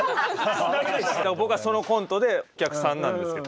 僕はそのコントでお客さんなんですけど